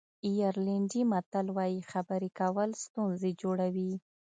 آیرلېنډي متل وایي خبرې کول ستونزې جوړوي.